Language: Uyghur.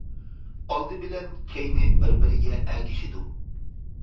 ئالدى بىلەن كەينى بىر- بىرىگە ئەگىشىدۇ.